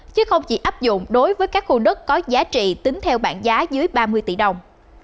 chứ không chỉ áp dụng đối với các khu đất có giá trị tính theo bảng giá dưới ba mươi tỷ đồng